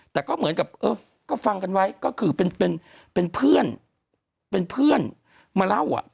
แต่ก็เหมือนกับเออก็ฟังกันไว้ก็คือเป็นเพื่อนเป็นเพื่อนมาเล่า